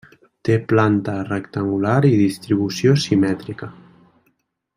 Té planta rectangular i distribució simètrica.